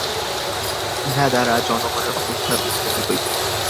ইহা দ্বারা জনগণের অবস্থার উন্নতি হইবে।